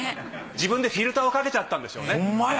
自分でフィルターをかけちゃったんでしょうね。